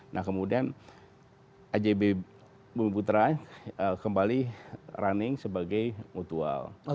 nah kemudian ajb bumi putra kembali running sebagai mutual